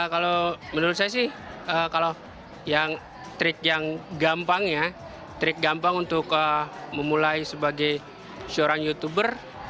kalau menurut saya sih trik yang gampang untuk memulai sebagai seorang youtuber